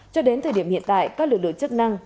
cho đến thời điểm hiện tại các lực lượng chức năng